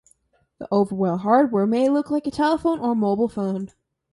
The overall hardware may look like a telephone or mobile phone.